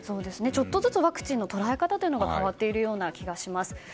ちょっとずつワクチンの捉え方が変わっているような気がします。